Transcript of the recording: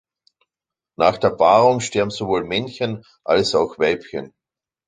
Nach der Paarung sterben sowohl Männchen als auch Weibchen.